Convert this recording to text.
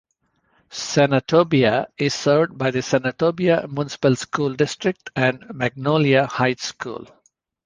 Senatobia is served by the Senatobia Municipal School District and Magnolia Heights School.